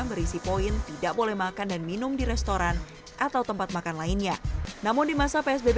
berisi poin tidak boleh makan dan minum di restoran atau tempat makan lainnya namun di masa psbb